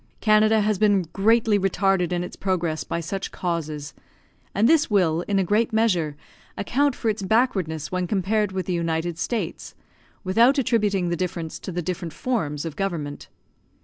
Canada has been greatly retarded in its progress by such causes, and this will in a great measure account for its backwardness when compared with the United States, without attributing the difference to the different forms of government.